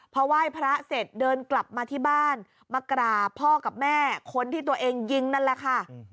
พอไหว้พระเสร็จเดินกลับมาที่บ้านมากราบพ่อกับแม่คนที่ตัวเองยิงนั่นแหละค่ะ